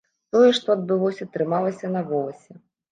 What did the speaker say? Тое, што адбылося, трымалася на воласе.